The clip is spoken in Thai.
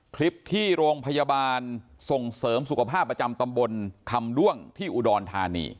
คลิปที่โรงพยาบาลส่งเสริมสุขภาพประจำตำบลคำด้วงที่อุดรธานี